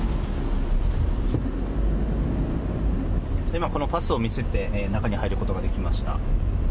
今、このパスを見せて中に入ることができました。